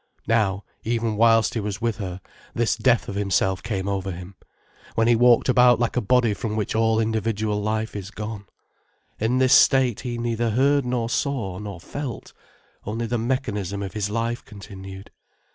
Now, even whilst he was with her, this death of himself came over him, when he walked about like a body from which all individual life is gone. In this state he neither heard nor saw nor felt, only the mechanism of his life continued.